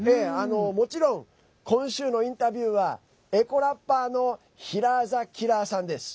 もちろん今週のインタビューはエコラッパーのヒラー・ザ・キラーさんです。